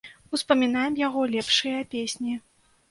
Успамінаем яго лепшыя песні.